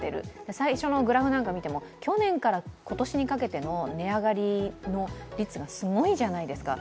最初のグラフなんかを見ても去年から今年にかけての値上がりの率がすごいじゃないですか。